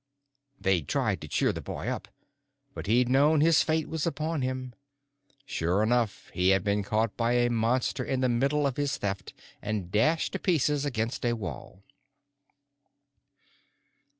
They'd tried to cheer the boy up, but he'd known his fate was upon him. Sure enough, he had been caught by a monster in the middle of his Theft and dashed to pieces against a wall.